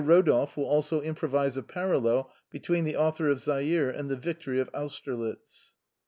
Rodolphe will also improvise a parallel between the author of Zaire and the victor of Austerlitz.